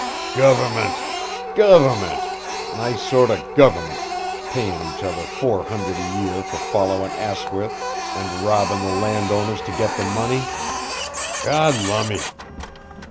"Govinment! Govinment! nice sort of govinment, payin' each other four hundred a year for followin' Asquith and robbin' the landowners to get the money God lumme."